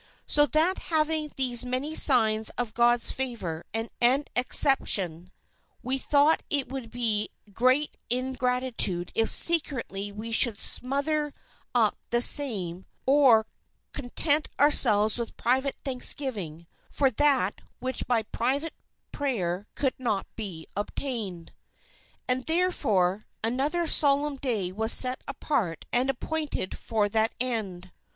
"So that having these many signs of God's favour, and acceptation, we thought it would be great ingratitude if secretly we should smoother up the same or content ourselves with private thanksgiving, for that which by private prayer could not be obtained. "And therefore another Solemn Day was set apart and appointed for that end.